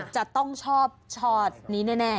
จะต้องชอบชอตนี้แน่